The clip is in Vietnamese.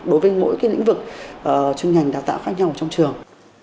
đối với mỗi cái lĩnh vực trung ngành đào tạo khác nhau trong trường